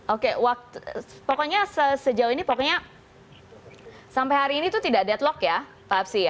oke pokoknya sejauh ini pokoknya sampai hari ini itu tidak deadlock ya pak absi ya